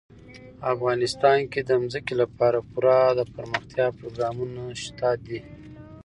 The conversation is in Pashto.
افغانستان کې د ځمکه لپاره پوره دپرمختیا پروګرامونه شته دي.